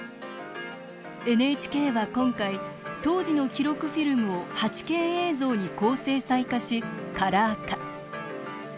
ＮＨＫは今回、当時の記録フィルムを８Ｋ映像に高精細化し、カラー化。